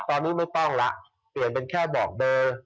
ตอนนี้ไม่ต้องแล้วเปลี่ยนเป็นแค่บอกเบอร์